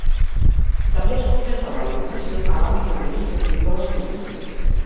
També es contempla l’eliminació, en l’àmbit administratiu, de les províncies.